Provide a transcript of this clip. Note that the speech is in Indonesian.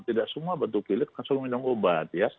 tidak semua batuk gilis langsung minum obat